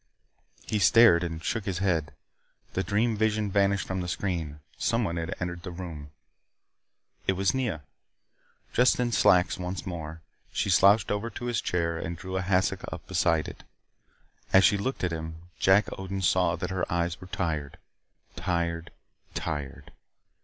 He stared and shook his head. The dream vision vanished from the screen. Someone had entered the room. It was Nea. Dressed in slacks once more, she slouched over to his chair and drew a hassock up beside it. As she looked at him, Jack Odin saw that her eyes were tired tired tired.